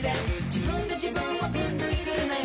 自分で自分を分類するなよ